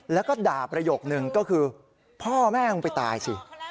แล้วก็ด่าประโยคนึงก็คือพ่อแม่มึงไปตายสิ